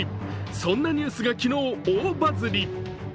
そんなニュースが昨日、大バズり。